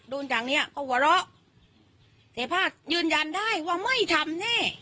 โดนจังนี้ก็หัวเราะแต่ผ้ายืนยันได้ว่าไม่ทำ